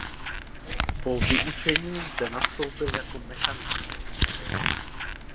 Po vyučení zde nastoupil jako mechanik.